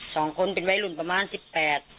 สองคนเป็นวัยรุ่นประมาณสิบแปด